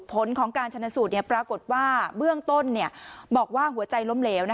สุภพ้นการชนสูตรปรากฎว่าเบื้องต้นเนี่ยบอกว่าหัวใจล้มเหลว